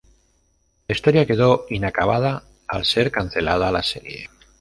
La historia quedó inacabada al ser cancelada la serie.